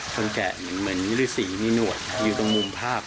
แกะเหมือนฤษีมีหนวดอยู่ตรงมุมภาพ